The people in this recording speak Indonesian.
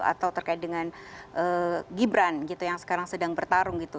atau terkait dengan gibran gitu yang sekarang sedang bertarung gitu